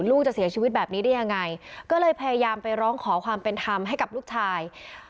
ลูกจะเสียชีวิตแบบนี้ได้ยังไงก็เลยพยายามไปร้องขอความเป็นธรรมให้กับลูกชาย